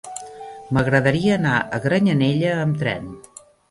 M'agradaria anar a Granyanella amb tren.